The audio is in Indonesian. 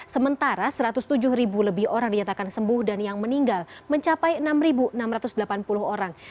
sementara satu ratus tujuh lebih orang dinyatakan sembuh dan yang meninggal mencapai enam enam ratus delapan puluh orang